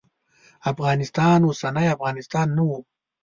افغانستان اوسنی افغانستان نه و.